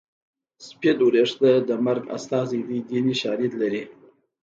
سپین ویښته د مرګ استازی دی دیني شالید لري